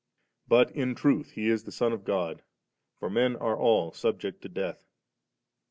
But m truth He is the Son of God, for men are all subject to death.